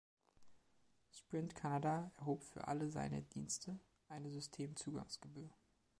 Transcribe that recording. Sprint Canada erhob für alle seine Dienste eine Systemzugangsgebühr.